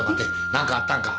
何かあったんか？